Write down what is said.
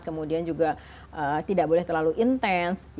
kemudian juga tidak boleh terlalu intens